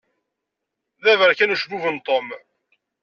D aberkan ucebbub n Tom.